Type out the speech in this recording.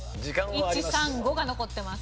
１３５が残ってます。